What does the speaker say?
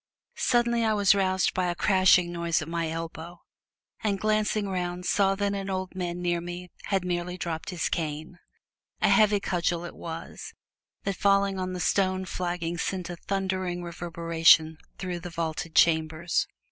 Suddenly, I was aroused by a crashing noise at my elbow, and glancing round saw that an old man near me had merely dropped his cane. A heavy cudgel it was that falling on the stone flagging sent a thundering reverberation through the vaulted chambers.